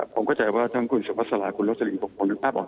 ผมเข้าใจว่าท่านจุภัศลาคุณโลกสลิงภูมิปกรรมดูภาพรบอก